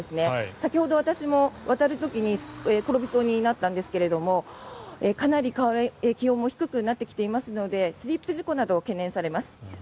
先ほど私も渡る時に転びそうになったんですけどもかなり気温も低くなってきていますのでスリップ事故などが懸念されます。